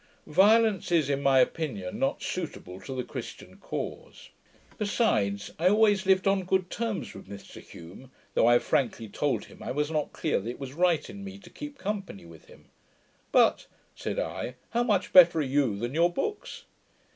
Violence is, in my opinion, not suitable to the Christian cause. Besides, I always lived on good terms with Mr Hume, though I have frankly told him, I was not clear that it was right in me to keep company with him, 'But', said I, 'how much better are you than your books!'